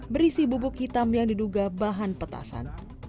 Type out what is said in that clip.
berisi bubuk hitam yang diduga bahan petasan